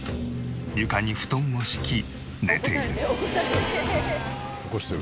床に布団を敷き寝ている。